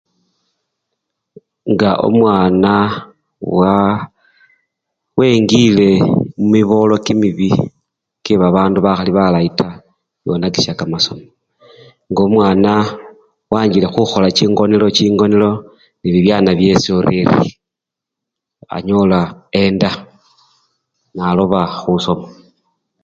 Nga omwana waa! wengile mumibolo kimibii kyebabandu bakhali balayi taa, konakisya kamasomo. ngomwana anchile khukhola chingonelo nebibyana byesoreri, anyola enda naloba khusoma.